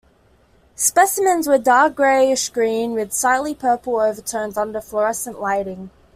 Specimens were a dark greyish-green with slightly purple overtones under fluorescent lighting.